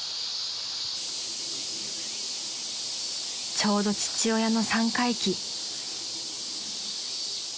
［ちょうど父親の三回忌］